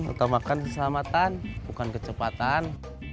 serta makan keselamatan bukan kecepatan